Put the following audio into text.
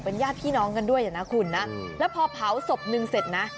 ญาติพี่น้องกันด้วยนะคุณนะแล้วพอเผาศพหนึ่งเสร็จนะ